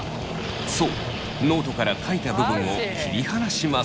そうノートから書いた部分を切り離します。